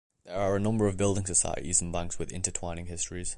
There are a number of building societies and banks with intertwining histories.